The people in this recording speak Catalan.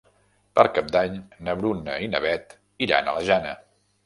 Per Cap d'Any na Bruna i na Beth iran a la Jana.